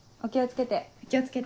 お気を付けて。